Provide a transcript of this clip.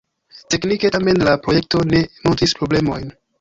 Teknike tamen la projekto ne montris problemojn.